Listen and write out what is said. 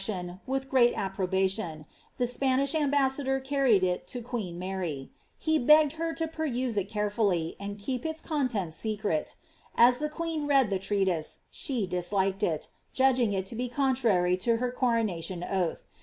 S45 prodnction with great tpprobatioiif the Spanish ambassacfor carried it to queen Mary ; he begged her to peruse it carefully, and keep its content! secret As the queen read the treatise, she disliked it, judging it to be contrary to her coronation oath.